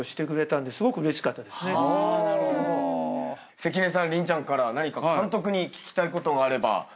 関根さん麟ちゃんから何か監督に聞きたいことがあれば。